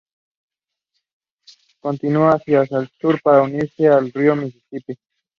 Continúa hacia el sur para unirse al río Misisipi.